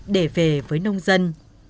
để về với nông dân